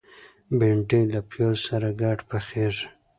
بېنډۍ له پیازو سره ګډه پخېږي